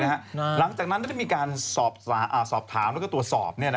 หลังจากนั้นมีการสอบถามและตรวจสอบ